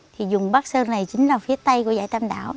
thì vùng bắc sơn này chính là phía tây của giải tâm đảo